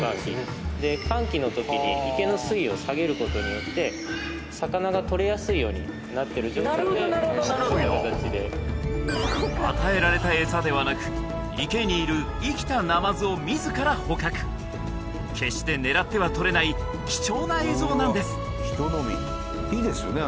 で乾季の時に池の水位を下げることによって魚がとれやすいようになってる状態で与えられたエサではなく池にいる生きたナマズを自ら捕獲決して狙っては撮れない貴重な映像なんですいいですよね